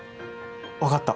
分かった。